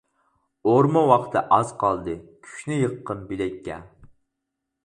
ئورما ۋاقتى ئاز قالدى، كۈچنى يىغقىن بىلەككە.